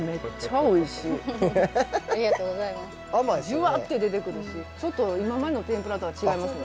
ジュワッて出てくるしちょっと今までの天ぷらとは違いますね。